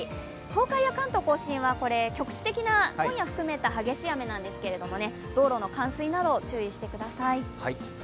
東海や関東甲信は局地的な、今夜含めた激しい雨なんですけど道路の冠水など注意してください。